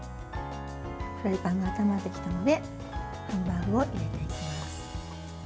フライパンが温まってきたのでハンバーグを入れていきます。